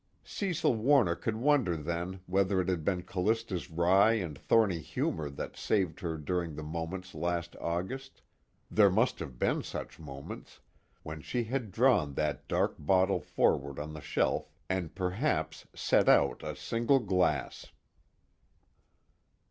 Cecil Warner could wonder then whether it had been Callista's wry and thorny humor that saved her during the moments last August there must have been such moments when she had drawn that dark bottle forward on the shelf and perhaps set out a single glass.